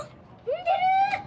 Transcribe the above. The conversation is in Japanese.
うんでる！